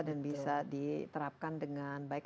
dan bisa diterapkan dengan baik